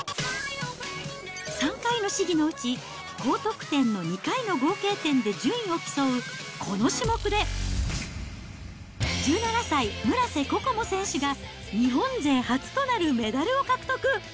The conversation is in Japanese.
３回の試技のうち、高得点の２回の合計点で順位を競うこの種目で、１７歳、村瀬心椛選手が、日本勢初となるメダルを獲得。